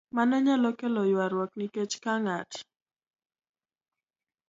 Mano nyalo kelo ywaruok nikech ka ng'at